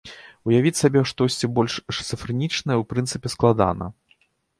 Уявіць сабе штосьці больш шызафрэнічнае ў прынцыпе складана.